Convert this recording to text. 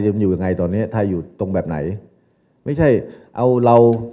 ววววววว